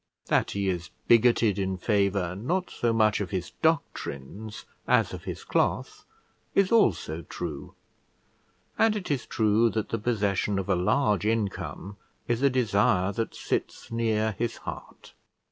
That he is bigoted in favour, not so much of his doctrines as of his cloth, is also true: and it is true that the possession of a large income is a desire that sits near his heart.